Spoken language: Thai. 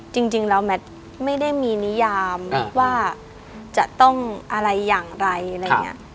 จริงแล้วแมทไม่ได้มีนิยามว่าจะต้องอะไรอย่างไรอะไรอย่างนี้